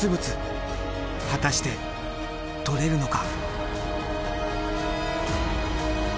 果たして採れるのか？